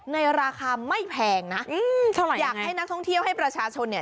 ในราคาไม่แพงนะอืมเท่าไหร่อยากให้นักท่องเที่ยวให้ประชาชนเนี่ย